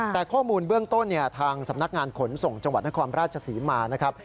แต่ข้อมูลเบื้องต้นทางสำนักงานขนส่งจังหวัดนครราชศรีมานะครับ